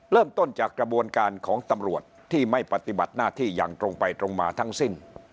เริ่มต้นจากกระบวนการของตำรวจที่ไม่ปฏิบัติหน้าที่อย่างตรงไปตรงมาทั้งสิ้น